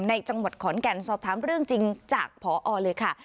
ในจังหวัดขอนแก่นสอบถามเรื่องจริงจากพอเลยค่ะ